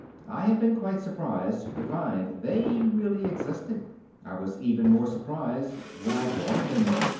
I had been quite surprised to find they really existed. I was even more surprised when I joined them.